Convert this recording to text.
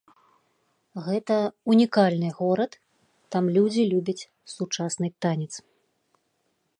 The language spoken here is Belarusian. Гэта ўнікальны горад, там людзі любяць сучасны танец.